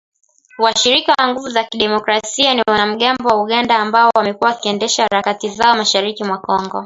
Washirika wa Nguvu za Kidemokrasia ni wanamgambo wa Uganda ambao wamekuwa wakiendesha harakati zao mashariki mwa Kongo